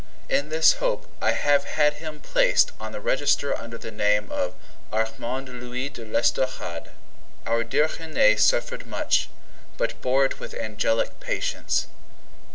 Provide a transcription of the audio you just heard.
In this hope, I have had him placed on the register under the name of Armand Louis de l'Estorade. Our dear Renee suffered much, but bore it with angelic patience.